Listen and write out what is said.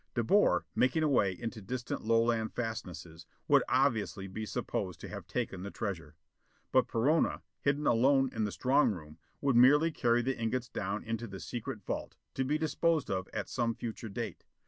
De Boer, making away into distant Lowland fastnesses, would obviously be supposed to have taken the treasure. But Perona, hidden alone in the strong room, would merely carry the ingots down into the secret vault, to be disposed of at some future date.